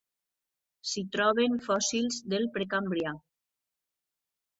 S'hi troben fòssils del Precambrià.